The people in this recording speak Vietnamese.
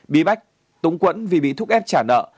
bí bách túng quẫn vì bị thúc ép trả nợ